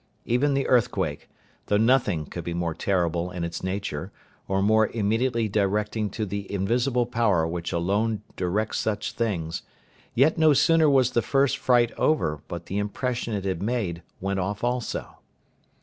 Even the earthquake, though nothing could be more terrible in its nature, or more immediately directing to the invisible Power which alone directs such things, yet no sooner was the first fright over, but the impression it had made went off also.